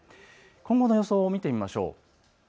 今後の予想を見てみましょう。